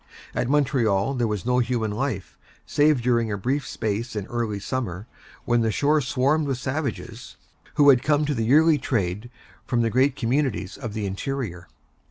At Montreal there was no human life, save during a brief space in early summer, when the shore swarmed with savages, who had come to the yearly trade from the great communities of the interior.